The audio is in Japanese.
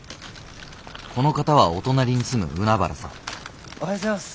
この方はお隣に住む海原さんおはようございます。